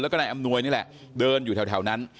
แล้วก็นายอำนวยนี่แหละเดินอยู่แถวนั้น